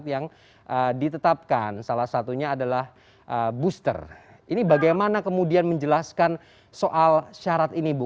ini adalah booster ini bagaimana kemudian menjelaskan soal syarat ini bu